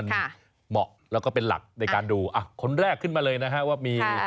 เราไม่บอกใช่ไหมคะว่าคุณอะไร